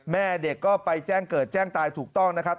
แม่เด็กก็ไปแจ้งเกิดแจ้งตายถูกต้องนะครับ